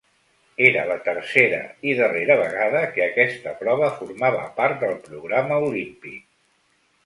Era la tercera i darrera vegada que aquesta prova formava part del programa olímpic.